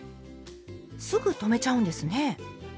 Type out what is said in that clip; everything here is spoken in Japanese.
すぐ止めちゃうんですね。